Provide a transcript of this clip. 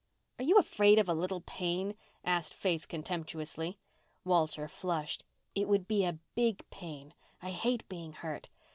"Are you afraid of a little pain?" asked Faith contemptuously. Walter flushed. "It would be a big pain. I hate being hurt.